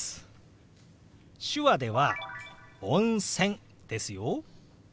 手話では「温泉」ですよ。